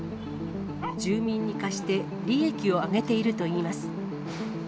住民に貸して利益を上げているといいます。